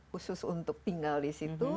khusus untuk tinggal di situ